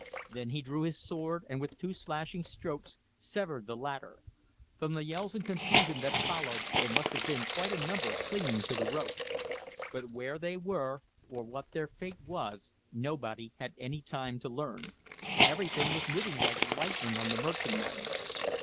Then he drew his sword and with two slashing strokes severed the ladder. From the yells and confusion that followed there must have been quite a number clinging to the rope. But where they were or what their fate was nobody had any time to learn. Everything was moving like lightning on the merchantman.